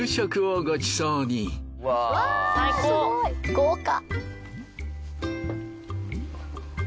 豪華。